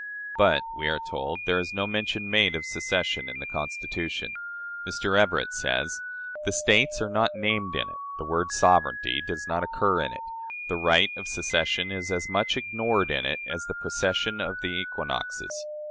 But, we are told, there is no mention made of secession in the Constitution. Mr. Everett says: "The States are not named in it; the word sovereignty does not occur in it; the right of secession is as much ignored in it as the procession of the equinoxes."